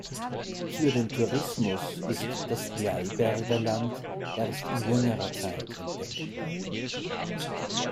Für den Tourismus ist das Gleiberger Land erst in jüngerer Zeit entdeckt worden.